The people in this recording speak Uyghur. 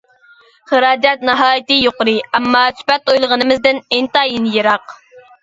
خىراجەت ناھايىتى يۇقىرى، ئەمما سۈپەت ئويلىغىنىمىزدىن ئىنتايىن يىراق.